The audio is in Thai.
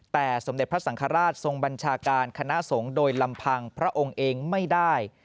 แต่สมเด็จพระสังฆราชทรงบัญชาการคณะสงฆ์โดยลำพังพระองค์เองไม่ได้